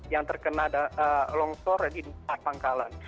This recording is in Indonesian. yang terkena longsor di pangkalan